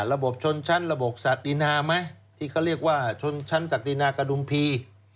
ระบบชนชั้นระบบศัตดินาไหมที่เขาเรียกว่าชนชั้นศักดินากระดุมพี